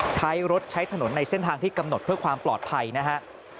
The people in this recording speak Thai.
ใช้รถใช้ถนนในเส้นทางที่กำหนดเพื่อความปลอดภัยนะฮะ